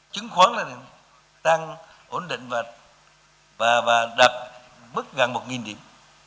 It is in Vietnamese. chứng khoán là tăng ổn định và đạt bước gần một điểm